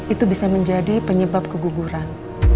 itu bisa menjadi penyebab keguguran